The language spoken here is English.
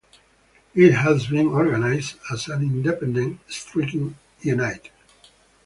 It has been organised as an independent striking unit.